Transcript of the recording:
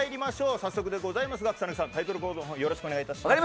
早速でございますが草なぎさんタイトルコールお願いします。